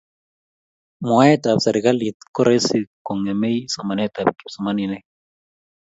mwaet ap serikalit koraisi kongemei somanet ap kipsomaninik